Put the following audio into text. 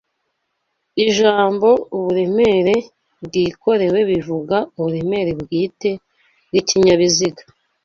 Ijambo uburemere bwikorewe bivuga uburemere bwite bw'ikinyabiziga